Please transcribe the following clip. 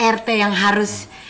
rt yang harus